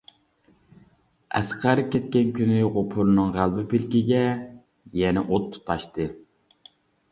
ئەسقەر كەتكەن كۈنى غوپۇرنىڭ غەلۋە پىلىكىگە يەنە ئوت تۇتاشتى!